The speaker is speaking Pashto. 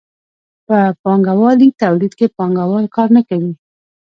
په پانګوالي تولید کې پانګوال کار نه کوي.